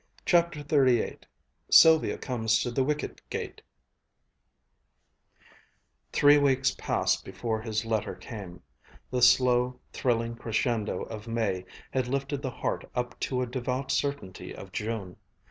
CHAPTER XXXVIII SYLVIA COMES TO THE WICKET GATE Three weeks passed before his letter came. The slow, thrilling crescendo of May had lifted the heart up to a devout certainty of June.